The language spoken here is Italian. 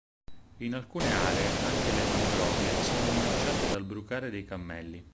In alcune aree anche le mangrovie sono minacciate dal brucare dei cammelli.